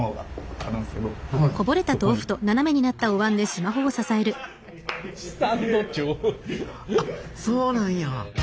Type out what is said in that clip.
あっそうなんや。